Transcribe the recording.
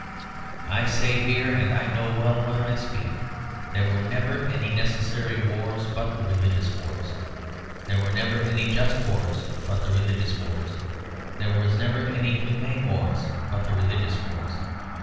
I say here, and I know well what I speak of, there were never any necessary wars but the religious wars. There were never any just wars but the religious wars. There were never any humane wars but the religious wars.